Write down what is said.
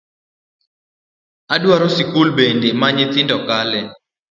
Adwaro sikul bende ma nyithindo kale